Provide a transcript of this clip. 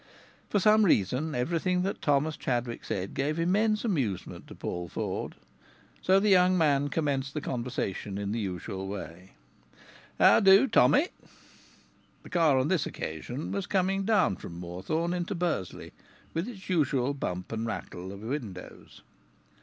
For some reason, everything that Thomas Chadwick said gave immense amusement to Paul Ford. So the young man commenced the conversation in the usual way: "How do, Tommy?" The car on this occasion was coming down from Moorthorne into Bursley, with its usual bump and rattle of windows.